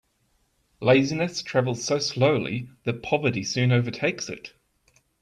Laziness travels so slowly that poverty soon overtakes it.